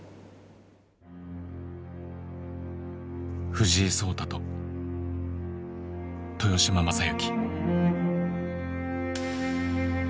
藤井聡太と豊島将之。